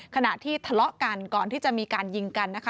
ขณะที่ทะเลาะกันก่อนที่จะมีการยิงกันนะคะ